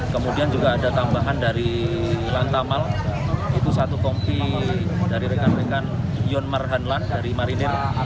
kemudian juga ada tambahan dari lantamal itu satu kompi dari rekan rekan yonmarhanlan dari marinir